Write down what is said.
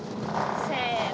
せの。